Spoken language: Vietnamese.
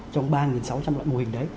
trong ba sáu trăm linh loại mô hình đấy